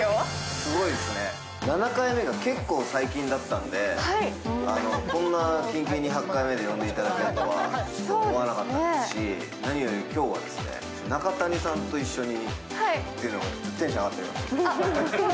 すごいですね、７回目が結構最近だったのでこんな近々に８回目で呼んでいただけるとは思わなかったですし何より今日は中谷さんと一緒にというのが。